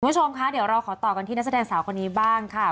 คุณผู้ชมคะเดี๋ยวเราขอต่อกันที่นักแสดงสาวคนนี้บ้างค่ะ